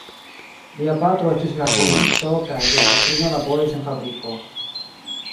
Lia patro estis gravuristo kaj lia patrino laboris en fabriko.